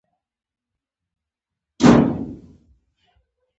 هغې زما نوم وپوښت او ما وویل فریدګل یم